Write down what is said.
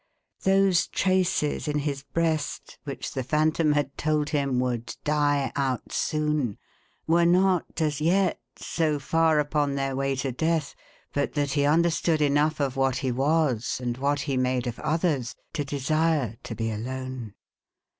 Those traces in his breast which the Phantom had told him would " die out soon," were not, as yet, so far upon their way to death, but that he understood enough of what he was, and what he made of others, to desire to be alone.